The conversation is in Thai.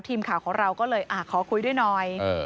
ทีมข่าวของเราก็เลยขอคุยด้วยหน่อย